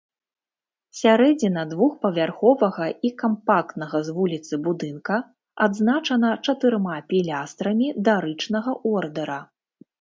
Сярэдзіна двухпавярховага і кампактнага з вуліцы будынка адзначана чатырма пілястрамі дарычнага ордэра.